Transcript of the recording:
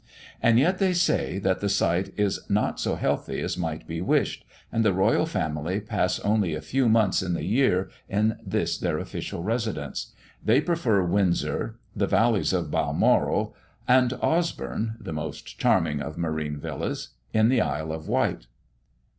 And yet they say that the site is not so healthy as might be wished; and the royal family pass only a few months in the year in this their official residence. They prefer Windsor, the valleys of Balmoral, and Osborne (the most charming of marine villas) in the Isle of Wight.